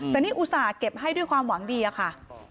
แต่นี่อุตส่าห์เก็บให้ด้วยความหวังดีอะค่ะ